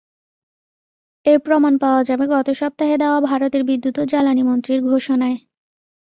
এর প্রমাণ পাওয়া যাবে গত সপ্তাহে দেওয়া ভারতের বিদ্যুৎ ও জ্বালানিমন্ত্রীর ঘোষণায়।